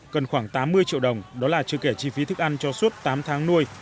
cần khoảng tám mươi triệu đồng đó là chưa kể chi phí thức ăn cho suốt tám tháng nuôi